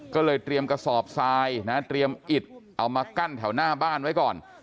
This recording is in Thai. ก็เลยเตรียมกระสอบทรายนะเตรียมอิดเอามากั้นแถวหน้าบ้านไว้ก่อน